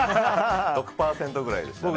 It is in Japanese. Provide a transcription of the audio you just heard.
６％ぐらいでしたね。